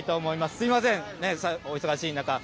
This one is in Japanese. すみません、お忙しい中。